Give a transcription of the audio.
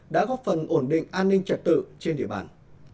đã góp phần ổn định an ninh trật tự trên địa bàn